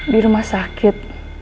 di rumah sakit